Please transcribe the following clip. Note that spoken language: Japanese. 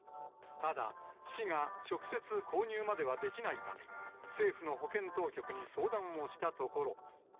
ただ市が直接購入まではできないため、政府の保健当局に相談をしたところ。